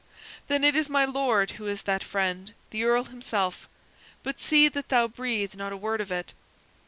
"Then it is my Lord who is that friend the Earl himself; but see that thou breathe not a word of it."